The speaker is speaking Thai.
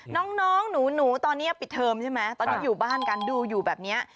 น้องหนูตอนนี้ปิดเทอมใช่ไหมตอนนี้อยู่บ้านกันดูอยู่แบบเนี้ย